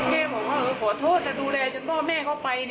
เฮ้ขอโทษแล้วดูแลจนพ่อแม่เขาไป